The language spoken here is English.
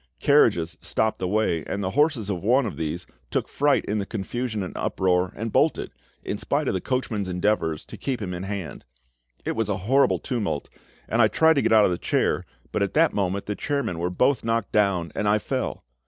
Carriages stopped the way, and the horses of one of these took fright in the confusion and uproar, and bolted, in spite of the coachman's endeavours to keep them in hand. It was a horrible tumult, and I tried to get out of the chair, but at that moment the chairmen were both knocked down, and I fell.